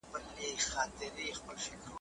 د نري رنځ د ناروغی په اثر .